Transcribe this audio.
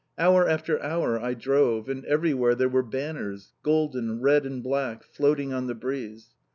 Hour after hour I drove, and everywhere there were banners, golden, red and black, floating on the breeze.